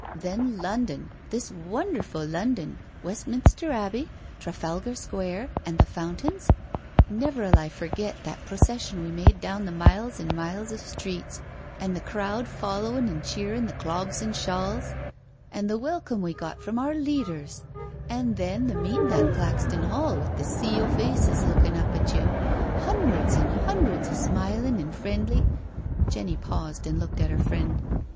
Then London, this won derfu' London— Westminster Abbey, Trafalgar Square and the fountains — never'uU I forget that procession we made down the miles an' miles of streets, an' the crowd foUowin' an' cheerin' the clogs an' shawls — an' the welcome we got from our leaders, an' then the meetin' at Caxton Hall, with the sea o' faces lookin' up at you — hundreds an' hundreds, all smilin' an' friendly. •.." Jenny paused and looked at her friend.